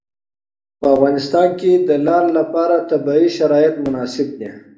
په افغانستان کې د لعل لپاره طبیعي شرایط مناسب دي.